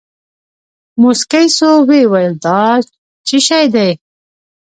موسکى سو ويې ويل دا چي شې دي.